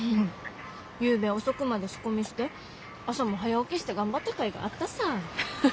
ゆうべ遅くまで仕込みして朝も早起きして頑張ったかいがあったさぁ。